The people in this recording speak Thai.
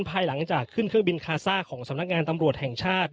ภายหลังจากขึ้นเครื่องบินคาซ่าของสำนักงานตำรวจแห่งชาติ